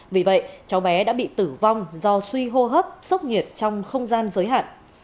vì vậy cháu bé đã bị tử vong do suy hô hấp sốc nhiệt trong không gian giới hạn